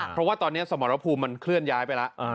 เพราะว่าตอนนี้สมรภูมิมันเคลื่อนย้ายไปแล้ว